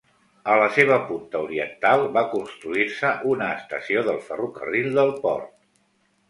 A la seva punta oriental, va construir-se una estació del ferrocarril del port.